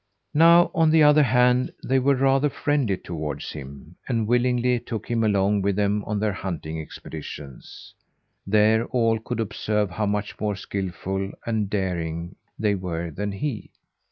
Now, on the other hand, they were rather friendly toward him, and willingly took him along with them on their hunting expeditions. There all could observe how much more skilful and daring they were than he.